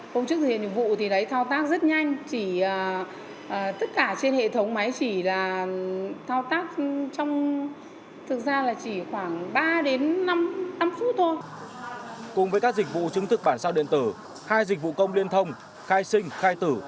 cùng với các dịch vụ chứng thực bản sao điện tử hai dịch vụ công liên thông khai sinh khai tử